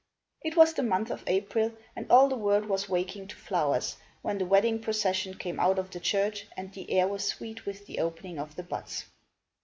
It was the month of April and all the world was waking to flowers, when the wedding procession came out of the church and the air was sweet with the opening of the buds.